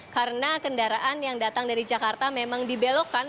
karena kendaraan yang datang dari jakarta memang dibelokkan